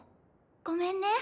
ごめんね。